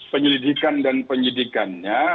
penyelidikan dan penyelidikannya